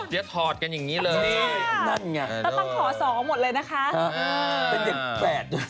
เดี๋ยวถอดกันอย่างนี้เลยแล้วต้องขอสองหมดเลยนะคะเป็นเด็กแปด